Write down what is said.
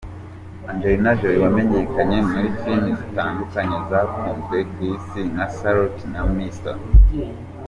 Angelina Jolie wamenyekanye muri filime zitandukanye zakunzwe ku isi nka Salt na Mr.